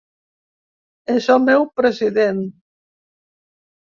És el meu president.